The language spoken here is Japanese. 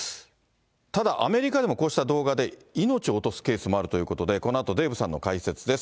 ただ、アメリカでもこうした動画で命を落とすケースもあるということで、このあと、デーブさんの解説です。